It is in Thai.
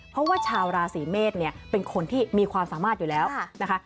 เพราะว่าชาวราศีเมษเนี่ยเป็นคนที่มีความสามารถอยู่แล้วนะคะ